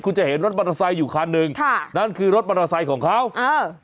คุณจะเห็นรถมอเตอร์ไซค์อยู่คันหนึ่งค่ะนั่นคือรถมอเตอร์ไซค์ของเขาเออ